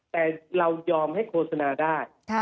แต่เรายอมให้โฆษณาได้